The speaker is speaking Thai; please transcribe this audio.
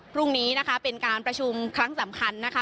พรุ่งนี้นะคะเป็นการประชุมครั้งสำคัญนะคะ